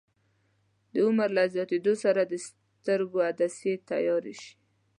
د عمر له زیاتیدو سره د سترګو عدسیې تیاره شي.